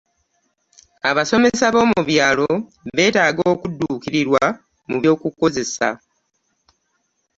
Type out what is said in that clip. Abasomesa b'omubyalo beetaaga okuddukirilwa mu byoku kozesa.